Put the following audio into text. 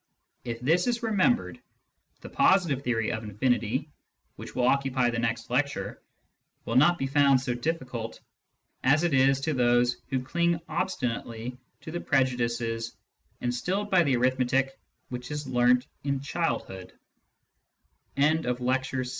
If this is remembered, the positive theory of infinity, which will occupy the next lecture, will not be found so diflficult as it is to those who cling obstinately to the prejudices instilled by the arithmetic which is learnt in child^ Digitized by Google